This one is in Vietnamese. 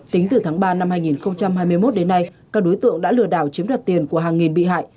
tính từ tháng ba năm hai nghìn hai mươi một đến nay các đối tượng đã lừa đảo chiếm đoạt tiền của hàng nghìn bị hại